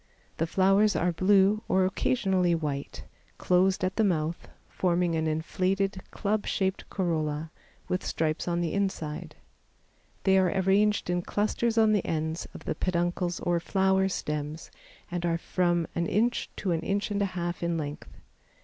The flowers are blue or occasionally white, closed at the mouth, forming an inflated, club shaped corolla, with stripes on the inside. They are arranged in clusters on the ends of the peduncles or flower stems and are from an inch to an inch and a half in length.